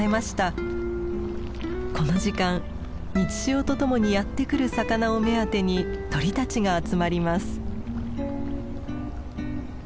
この時間満ち潮とともにやって来る魚を目当てに鳥たちが集まります。